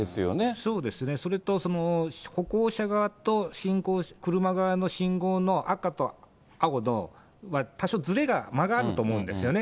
そうですね、それと歩行者側と車側の信号の赤と青の多少ずれが、間があると思うんですよね。